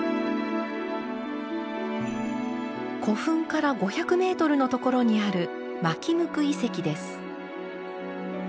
古墳から５００メートルのところにある纒向遺跡です。